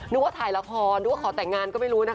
ว่าถ่ายละครนึกว่าขอแต่งงานก็ไม่รู้นะคะ